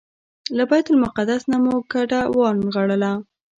له بیت المقدس نه مو کډه ونغاړله.